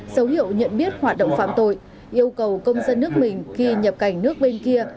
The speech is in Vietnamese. dấu hiệu nhận biết hoạt động phạm tội yêu cầu công dân nước mình khi nhập cảnh nước bên kia